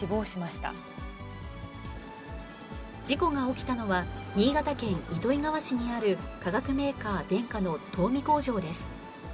事故が起きたのは、新潟県糸魚川市にある化学メーカー、デンカの田海工場です。